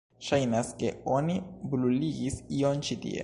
Ŝajnas ke oni bruligis ion ĉi tie.